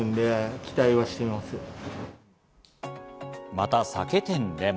また、酒店でも。